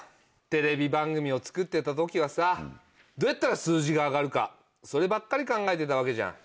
テレビ番組を作ってた時はさどうやったら数字が上がるかそればっかり考えてたわけじゃん。